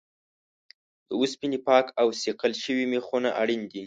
د اوسپنې پاک او صیقل شوي میخونه اړین دي.